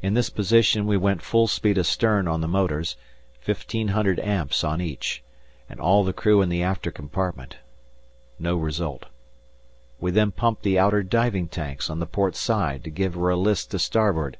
In this position we went full speed astern on the motors, 1,500 amps on each, and all the crew in the after compartment. No result. We then pumped the outer diving tanks on the port side to give her a list to starboard.